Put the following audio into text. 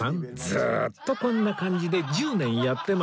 ずーっとこんな感じで１０年やってます